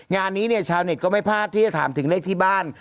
งานนี้เนี่ยชาวเน็ตก็ไม่พลาดที่จะถามถึงเลขที่บ้าน